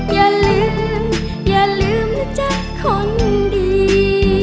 อย่าลืมอย่าลืมนะจ๊ะคนดี